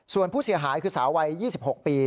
ส่วนผู้เสียหายคือสาววัย๒๖ปี